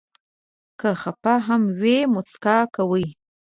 که خفه هم وي، مسکا کوي.